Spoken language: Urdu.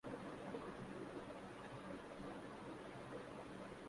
آج ذلیل وخوار ہیں۔